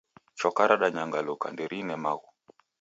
Choka radanyangaluka, nderine maghu.